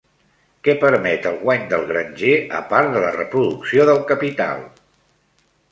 Què permet el guany del granger a part de la reproducció del capital?